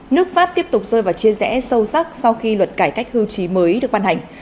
nước pháp tiếp tục rơi vào chia rẽ sâu sắc sau khi luật cải cách hưu trí mới được ban hành